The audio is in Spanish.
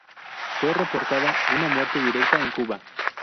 Fue reportada una muerte directa en Cuba.